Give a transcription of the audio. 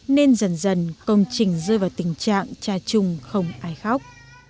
nên dần dần công trình rơi vào tình trạng cha chung không ai khóc